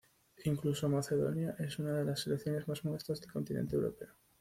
Incluso Macedonia es una de las selecciones más modestas del continente europeo.